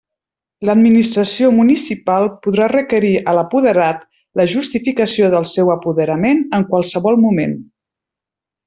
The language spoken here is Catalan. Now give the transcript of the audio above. L'administració municipal podrà requerir a l'apoderat la justificació del seu apoderament en qualsevol moment.